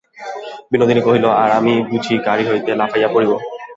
বিনোদিনী কহিল, আর আমি বুঝি গাড়ি হইতে লাফাইয়া পড়িব?